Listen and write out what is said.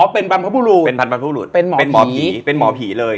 อ๋อเป็นพันธุ์บรรพบุรุษเป็นหมอผีเลย